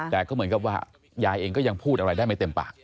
แต่ก็เหมือนกับว่ายายเองก็ยังพูดอะไรได้ไม่เต็มปาก